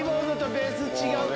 ベース違う。